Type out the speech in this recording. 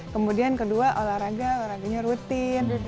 kemudian kedua olahraga olahraganya rutin